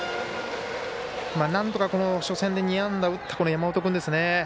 なんとか、初戦で２安打打った山本君ですね。